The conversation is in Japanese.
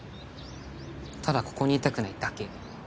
ただここにいたくないだけ。